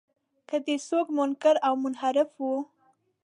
له دې څوک منکر او منحرف و.